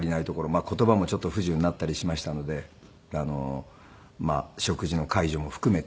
まあ言葉もちょっと不自由になったりしましたので食事の介助も含めて。